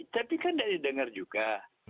tapi kan tidak didengar juga